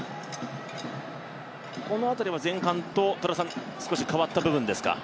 この辺りは前半と少し変わった部分ですか。